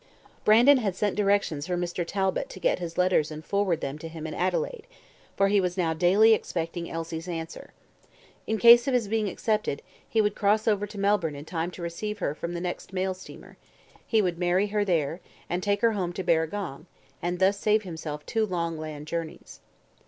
Brandon had sent directions for Mr. Talbot to get his letters and forward them to him in Adelaide, for he was now daily expecting Elsie's answer. In case of his being accepted, he would cross over to Melbourne in time to receive her from the next mail steamer, would marry her there, and take her home to Barragong, and thus save himself two long land journeys.